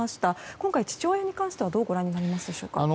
今回、父親に関してはどうご覧になりますでしょうか。